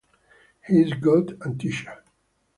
He is God and teacher.